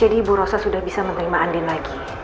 jadi bu rosa sudah bisa menerima andin lagi